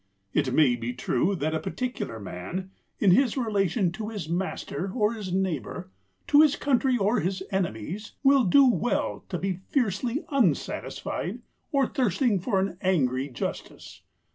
It may be true that a particular man, in his relation to his master or his neighbour, to his country or his enemies, will do well to be fiercely unsatisfied or thirsting for an angry justice.